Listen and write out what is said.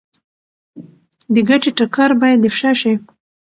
د ګټې ټکر باید افشا شي.